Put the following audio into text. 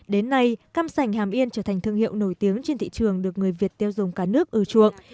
đến nay cam sành hàm yên trở thành thương hiệu nổi tiếng trên thị trường được người việt tiêu dùng cả nước ưa chuộng